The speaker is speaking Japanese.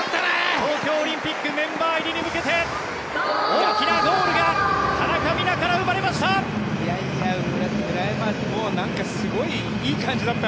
東京オリンピックメンバー入りに向けて大きなゴールが田中美南から生まれました！